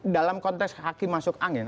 dalam konteks hakim masuk angin